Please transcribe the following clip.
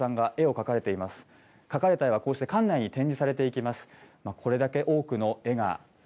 描かれた絵は、こうして館内に展示されていきます。